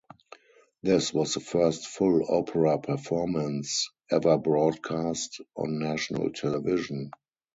This was the first full opera performance ever broadcast on national television.